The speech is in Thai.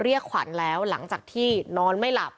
ขวัญแล้วหลังจากที่นอนไม่หลับ